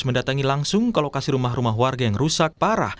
mendatangi langsung ke lokasi rumah rumah warga yang rusak parah